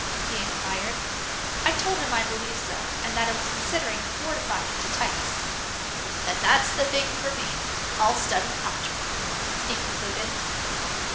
he inquired. I told him I believed so, and that it was considered fortifying to Types. "Then that's the thing for me. I'll study Algebra," he concluded.